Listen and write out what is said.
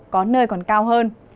có nơi còn cao hơn